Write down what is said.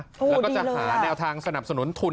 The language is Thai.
โอ้โฮดีเลยเหรอค่ะแล้วก็จะหาแนวทางสนับสนุนทุน